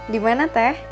di mana teh